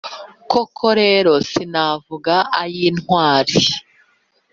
Koko rero sinavuga ay’intwari